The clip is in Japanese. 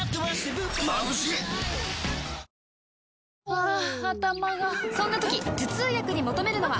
ハァ頭がそんな時頭痛薬に求めるのは？